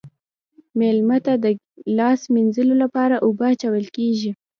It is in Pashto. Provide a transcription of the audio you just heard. میلمه ته د لاس مینځلو لپاره اوبه اچول کیږي.